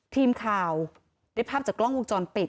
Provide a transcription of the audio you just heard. ทีมข่าวได้ภาพจากกล้องวงจรปิด